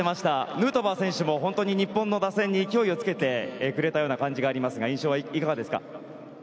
ヌートバー選手も本当に日本の打線に勢いをつけてくれた感じがありますが印象はいかがですか？